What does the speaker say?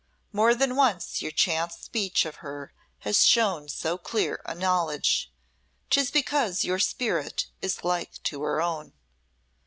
More than once your chance speech of her has shown so clear a knowledge. 'Tis because your spirit is like to her own."